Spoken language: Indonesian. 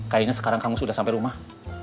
kayaknya sekarang kang mus udah sampai rumah